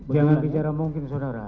jangan bicara mungkin saudara